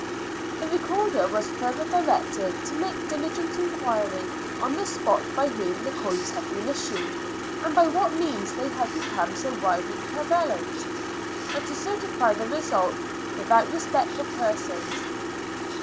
The Recorder was further directed to make diligent inquiry on the spot by whom the coins had been issued, and by what means they had become so widely prevalent, and to certify the result without respect of persons.